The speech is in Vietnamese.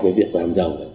cái việc làm giàu